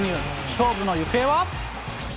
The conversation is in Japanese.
勝負の行方は？